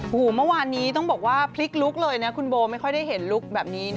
โอ้โหเมื่อวานนี้ต้องบอกว่าพลิกลุกเลยนะคุณโบไม่ค่อยได้เห็นลุคแบบนี้นะ